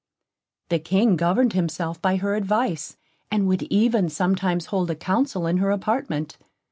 The King governed himself by her advice, and would even sometimes hold a council in her apartment.